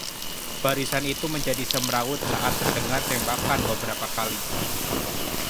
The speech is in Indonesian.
barisan itu menjadi semrawut saat terdengar tembakan beberapa kali